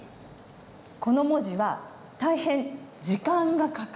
この文字は大変時間がかかる。